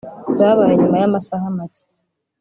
Byabaye nyuma y’amasaha make